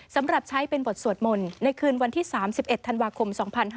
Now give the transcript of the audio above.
สำหรับใช้เป็นบทสวดมนต์ในคืนวันที่๓๑ธันวาคม๒๕๕๙